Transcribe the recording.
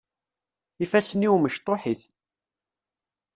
Ifassen-iw mecṭuḥit.